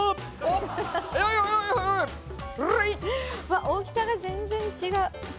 わっ大きさが全然違う。